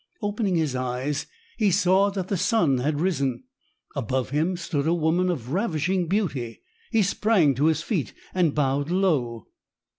Opening his eyes, he saw that the sun had risen. Above him stood a woman of ravishing beauty. He sprang to his feet and bowed low.